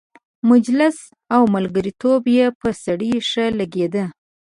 مجلس او ملګرتوب یې پر سړي ښه لګېده.